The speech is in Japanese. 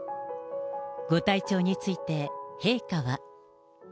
ご体調について、陛下は。